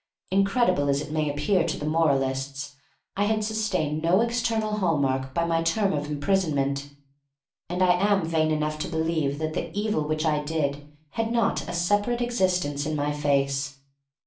Incredible as it may appear to the moralists, I had sustained no external hallmark by my term of imprisonment, and I am vain enough to believe that the evil which I did had not a separate existence in my face.